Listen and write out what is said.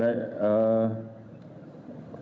terima kasih pak kapol